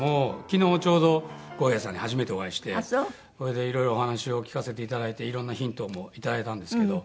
昨日ちょうど悟平さんに初めてお会いしてそれでいろいろお話を聞かせていただいていろんなヒントもいただいたんですけど。